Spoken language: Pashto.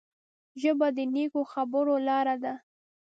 ژبه د نیکو خبرو لاره ده